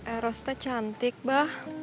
eros tuh cantik ma